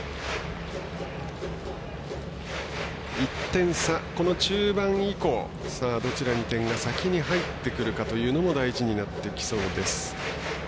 １点差、この中盤以降どちらに点が先に入ってくるかというのも大事になってきそうです。